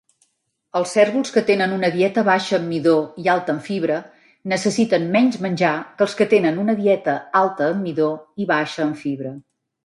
Els cérvols que tenen una dieta baixa en midó i alta en fibra necessiten menys menjar que els que tenen una dieta alta en midó i baixa en fibra.